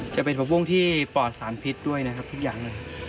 จะเป็นผักบุ้งที่ปอดสารพิษด้วยนะครับทุกอย่างเลย